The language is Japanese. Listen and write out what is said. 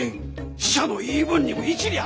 使者の言い分にも一理ある！